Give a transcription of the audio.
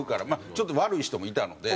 ちょっと悪い人もいたので。